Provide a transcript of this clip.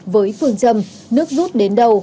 với phương châm nước rút đến đâu